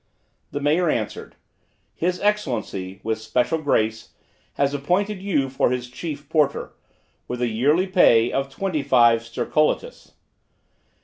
The mayor answered: "His excellency, with special grace, has appointed you for his chief porteur, with a yearly pay of twenty five stercolatus."